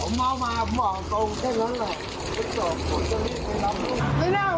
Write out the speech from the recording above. โอเคนะฮะเห็นผมใบรองเท้าผู้กรมาตรีอื่นกว่าไร